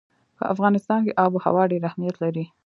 په افغانستان کې آب وهوا ډېر اهمیت لري.